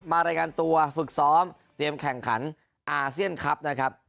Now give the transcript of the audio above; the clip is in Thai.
รายงานตัวฝึกซ้อมเตรียมแข่งขันอาเซียนคลับนะครับ